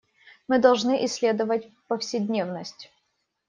Мы должны исследовать повседневность.